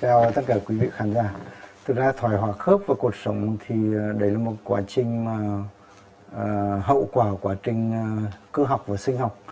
theo tất cả quý vị khán giả thật ra thoái hóa khớp và cuộc sống thì đấy là một quá trình hậu quả của quá trình cư học và sinh học